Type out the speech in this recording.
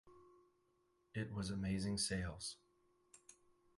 It was amazing sales.